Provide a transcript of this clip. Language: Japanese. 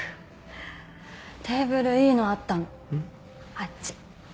あっち。